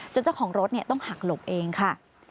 เจ้าของรถต้องหักหลบเองค่ะ